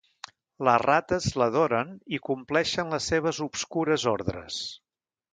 Les rates l'adoren i compleixen les seves obscures ordres.